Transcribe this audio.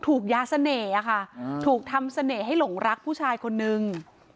ถูกยาเสน่ห์ค่ะถูกทำเสน่ห์ให้หลงรักผู้ชายคนนึง